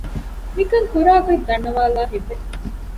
މިކަން ކުރާގޮތް ދަންނަވައިލާ ހިތްވެ